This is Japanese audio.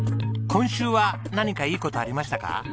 今週は何かいい事ありましたか？